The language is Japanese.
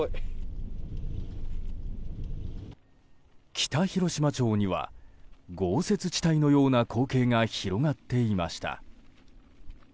北広島町には豪雪地帯のような光景が広がっていました。